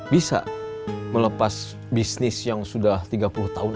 bisa melepas bisnis yang sudah tiga puluh tahun